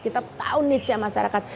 kita tahu needsnya masyarakat